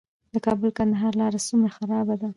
د کابل - کندهار لاره څومره خرابه ده؟